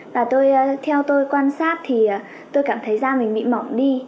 và tôi theo tôi quan sát thì tôi cảm thấy da mình bị mỏng đi